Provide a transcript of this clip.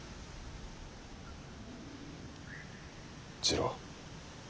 次郎。